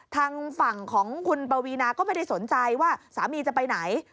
ทางฝั่งของคุณปวีนาก็ไม่ได้สนใจว่าสามีจะไปไหน